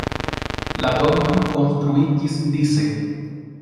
La domoj konstruiĝis dise.